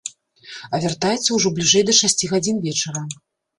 А вяртаецца ўжо бліжэй да шасці гадзін вечара.